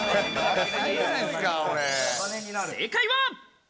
正解は。